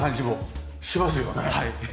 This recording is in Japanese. はい。